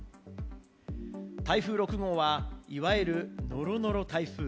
台風６号は、いわゆる、ノロノロ台風。